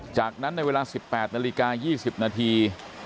จากนั้นในเวลา๑๘นาฬิกา๒๐นาที